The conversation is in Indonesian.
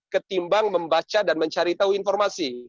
ketimbang membaca dan mencari tahu informasi